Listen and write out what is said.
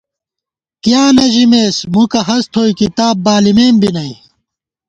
کیاں نہ ژِمېس ،مُکہ ہست تھوئی کِتاب بالِمېم بی نئ